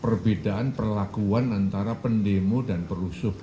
perbedaan perlakuan antara pendemo dan perusuh